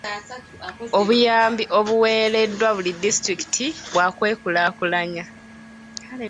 Obuyambi obuweereddwa buli disitulikiti bwa kwekulaakulanya.